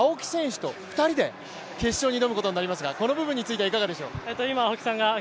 青木選手と２人で決勝に挑むことになりますがこの部分についてはいかがでしょう。